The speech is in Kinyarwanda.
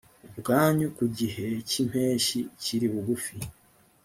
ubwanyu ko igihe cy impeshyi kiri bugufi